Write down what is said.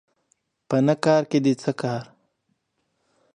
په نه کارکې دې څه کار